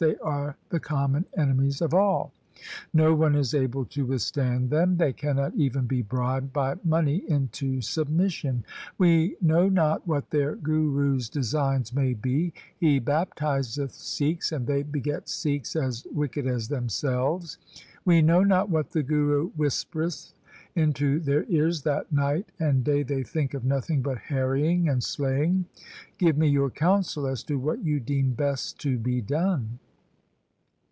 They are the common enemies of all. No one is able to withstand them. They cannot even be bribed by money into submission. We know not what their Guru's designs may be. He baptizeth Sikhs, and they beget Sikhs as wicked as themselves. We know not what the Guru whispereth into their ears, that night and day they think of nothing but harrying and slaying. Give me your counsel as to what you deem best to be done.'